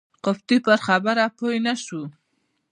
قبطي پر خبره پوی نه شو.